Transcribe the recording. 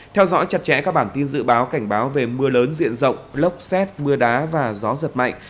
theo dõi chặt chẽ các bản tin dự báo cảnh báo về mưa lớn diện rộng lốc xét mưa đá và gió giật mạnh